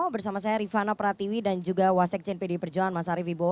bersama saya rifano pratiwi dan juga wasik jendera pdi perjuangan mas arief ibo